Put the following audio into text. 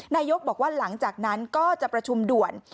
นายกบอกว่าหลังจากนั้นก็จะประชุมด่วน